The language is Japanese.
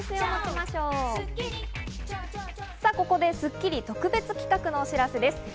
さあ、ここで『スッキリ』特別企画のお知らせです。